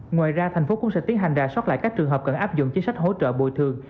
ngoài ra thành phố cũng sẽ tiến hành rà soát lại các trường hợp cần áp dụng chính sách hỗ trợ bồi thường